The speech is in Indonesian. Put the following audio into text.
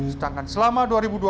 sedangkan selama dua ribu dua puluh